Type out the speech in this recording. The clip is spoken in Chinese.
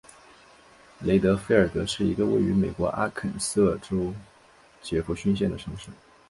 雷德菲尔德是一个位于美国阿肯色州杰佛逊县的城市。